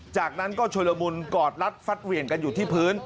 จากนั้นก็ชุลมุนกอดรัดฟัดเหวี่ยงกันอยู่ที่พื้น